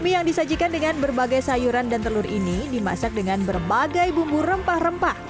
mie yang disajikan dengan berbagai sayuran dan telur ini dimasak dengan berbagai bumbu rempah rempah